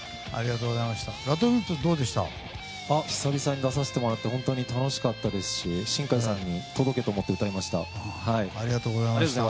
久々に出させてもらって本当に楽しかったですし新海さんに届けと思って歌いました。